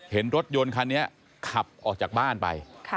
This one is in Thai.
เห็นรถยนต์คันนี้ขับออกจากบ้านไป